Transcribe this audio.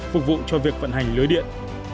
phục vụ cho việc vận hành lưới điện